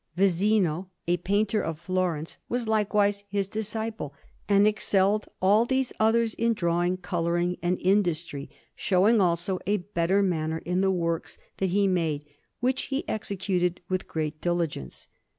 Visino, a painter of Florence, was likewise his disciple, and excelled all these others in drawing, colouring, and industry, showing, also, a better manner in the works that he made, which he executed with great diligence.